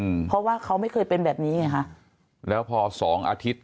อืมเพราะว่าเขาไม่เคยเป็นแบบนี้ไงคะแล้วพอสองอาทิตย์